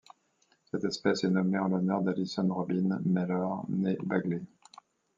Cette espèce est nommée en l'honneur d'Alison Robyn Mellor, née Bagley.